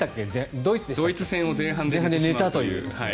ドイツ戦を前半で寝たという。